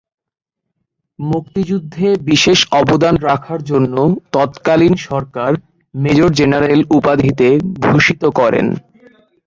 মুক্তিযুদ্ধে বিশেষ অবদান রাখার জন্য তৎকালীন সরকার মেজর জেনারেল উপাধিতে ভূষিত করেন।